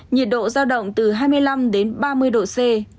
nhiệt độ giao động từ hai mươi năm đến ba mươi độ c